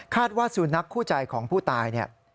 คาดว่าสุนัขคู่ใจของผู้ตาย